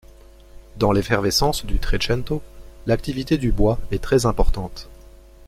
Dans l'effervescence du Trecento, l'activité du bois est très importante.